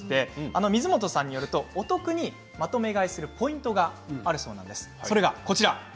水元さんによりますとお得にまとめ買いするポイントがあるそうです。